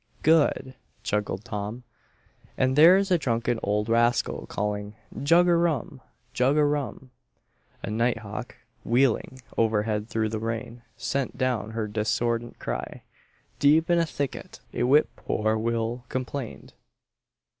"Good!" chuckled Tom. "And there's a drunken old rascal calling: 'Jug er rum! Jug er rum!'!" A nighthawk, wheeling overhead through the rain, sent down her discordant cry. Deep in a thicket a whip poor will complained.